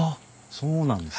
そうなんです。